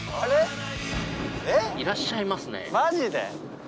いらっしゃいますね。